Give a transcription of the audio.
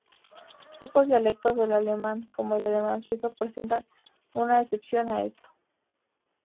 Pocos dialectos del alemán, como el alemán suizo, presentan una excepción a esto.